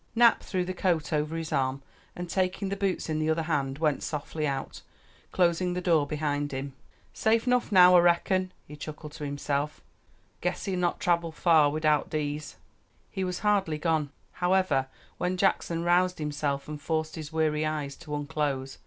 Nap threw the coat over his arm, and taking the boots in the other hand went softly out, closing the door behind him. "Safe 'nuff now, I reckon," he chuckled to himself; "guess he not trabble far widout dese." He was hardly gone, however, when Jackson roused himself and forced his weary eyes to unclose.